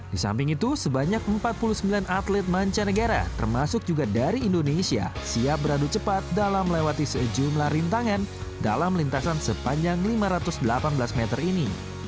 di samping itu sebanyak empat puluh sembilan atlet mancanegara termasuk juga dari indonesia siap beradu cepat dalam melewati sejumlah rintangan dalam lintasan sepanjang lima ratus delapan belas meter ini